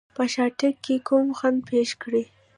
په شاتګ کې کوم خنډ پېښ کړي.